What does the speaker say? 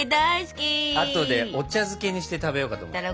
あとでお茶漬けにして食べようかと思って。